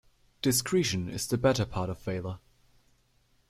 Discretion is the better part of valour.